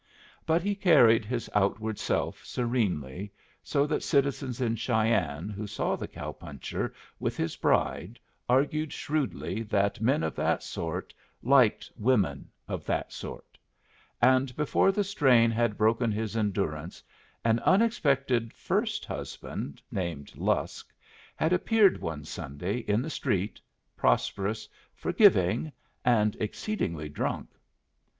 But he carried his outward self serenely, so that citizens in Cheyenne who saw the cow puncher with his bride argued shrewdly that men of that sort liked women of that sort; and before the strain had broken his endurance an unexpected first husband, named Lusk, had appeared one Sunday in the street, prosperous, forgiving, and exceedingly drunk.